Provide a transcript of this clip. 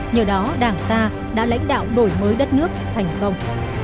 nhờ đó đảng ta đã lãnh đạo đổi mới đất nước thành công